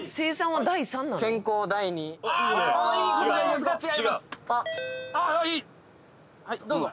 はいどうぞ。